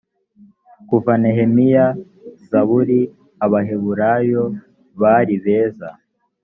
kuva nehemiya zaburi abaheburayo bari beza